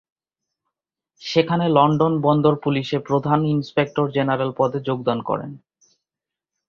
সেখানে লন্ডন বন্দর পুলিশে প্রধান ইন্সপেক্টর জেনারেল পদে যোগদান করেন।